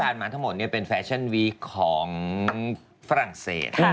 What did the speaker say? มาทั้งหมดเป็นแฟชั่นวีคของฝรั่งเศส